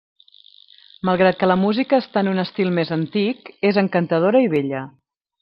Malgrat que la música està en un estil més antic, és encantadora i bella.